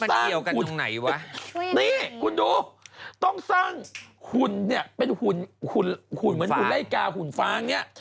มันเกี่ยวกันตรงไหนวะช่วยกันอย่างงี้